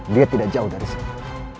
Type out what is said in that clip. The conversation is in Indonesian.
dia tidak jauh dari sini